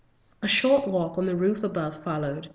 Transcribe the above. A short walk on the roof above followed.